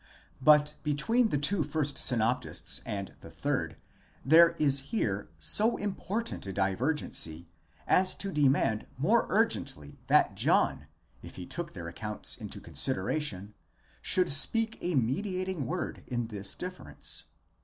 But between the two first synoptists and the third there is here so important a divergency, as to demand most urgently that John, if he took their accounts into consideration, should speak a mediating word in this difference.